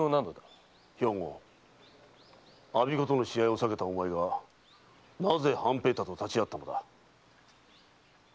兵庫我孫子との試合を避けたお前がなぜ半平太と立ち合った？